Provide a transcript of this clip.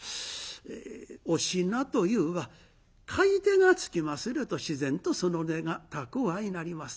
えお品というは買い手がつきますると自然とその値が高う相成ります。